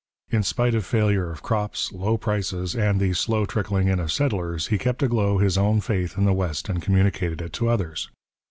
In spite of failure of crops, low prices, and the slow trickling in of settlers, he kept aglow his own faith in the West and communicated it to others.